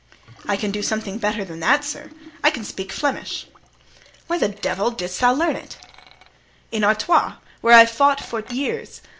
"I can do something better than that, sir, I can speak Flemish." "Where the devil didst thou learn it?" "In Artois, where I fought for years.